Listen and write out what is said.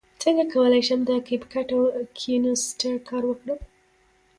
څنګه کولی شم د کپ کټ او کینوسټر کار وکړم